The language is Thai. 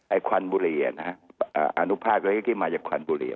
ไอ้ควันบุหรี่อนุภาคก็เรียกได้มาจากควันบุหรี่